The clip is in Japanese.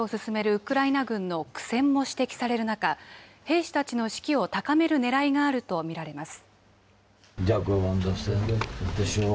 ウクライナ軍の苦戦も指摘される中、兵士たちの士気を高めるねらいがあると見られます。